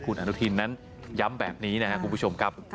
คุณอนุทินนั้นย้ำแบบนี้นะครับคุณผู้ชมครับ